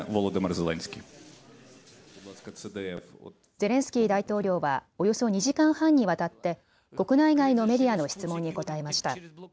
ゼレンスキー大統領はおよそ２時間半にわたって国内外のメディアの質問に答えました。